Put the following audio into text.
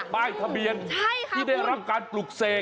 ป้ายทะเบียนที่ได้รับการปลุกเสก